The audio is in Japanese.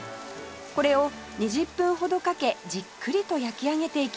これを２０分ほどかけじっくりと焼き上げていきます